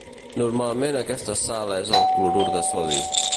Normalment aquesta sal és el clorur de sodi.